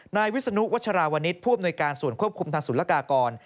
นายวิศนุวัชราวนิษฐ์ผู้อำนวยการส่วนควบคุมทางศูนย์ละกากร